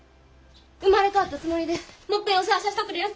生まれ変わったつもりでもっぺんお世話さしとくれやす！